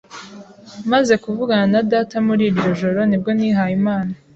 Maze kuvugana na data muri iryo joro ni bwo nihaye Imana